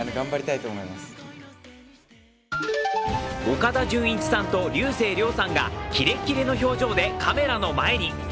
岡田准一さんと竜星涼さんがキレッキレの表情でカメラの前に。